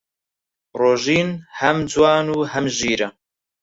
ڕۆژین هەم جوان و هەم ژیرە.